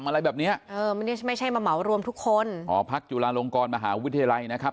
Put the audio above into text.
อะไรแบบเนี้ยเออไม่ใช่ไม่ใช่มาเหมารวมทุกคนหอพักจุฬาลงกรมหาวิทยาลัยนะครับ